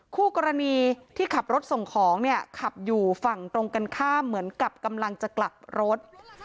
คู่กรณีที่ขับรถส่งของเนี่ยขับอยู่ฝั่งตรงกันข้ามเหมือนกับกำลังจะกลับรถ